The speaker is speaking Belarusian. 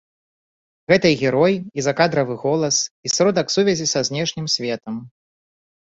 Гэта і герой, і закадравы голас, і сродак сувязі са знешнім светам.